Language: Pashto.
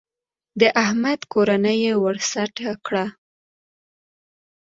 د احمد کورنۍ يې ور سټ کړه.